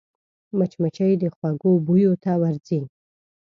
مچمچۍ د خوږو بویو ته ورځي